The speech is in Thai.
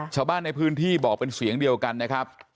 ชาวบ้านในพื้นที่บอกเป็นเสียงเดียวกันนะครับ